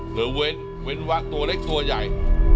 เว้นวักตัวเล็กตัวใหญ่